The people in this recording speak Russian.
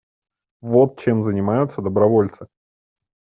Вот чем занимаются добровольцы.